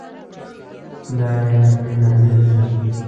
دا آیت پرې نازل شو.